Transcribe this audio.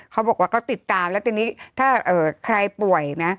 เขาบอกว่าก็ติดตามแล้วทีนี้ถ้าใครป่วยนะ